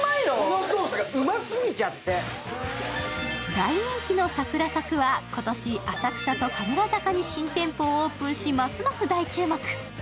大人気のサクラ咲は今年、浅草と神楽坂に新店舗をオープンし、ますます大注目。